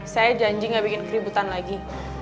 saya janji gak bikin keributan lagi